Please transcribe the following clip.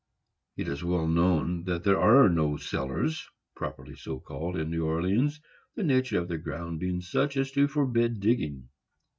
It is well known that there are no cellars, properly so called, in New Orleans, the nature of the ground being such as to forbid digging.